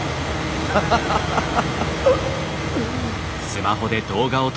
ハハハハハ。